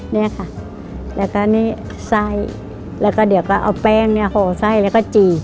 เนี่ยค่ะแล้วก็นี่ไส้แล้วก็เดี๋ยวก็เอาแป้งเนี่ยห่อไส้แล้วก็จีบ